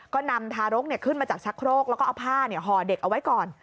ก็นำทารกขึ้นมาจากชักโครกแล้วก็เอาผ้าห่อเด็กเอาไว้ก่อน